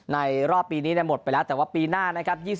รอบปีนี้หมดไปแล้วแต่ว่าปีหน้านะครับ